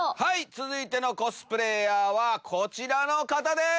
続いてのコスプレーヤーはこちらの方です。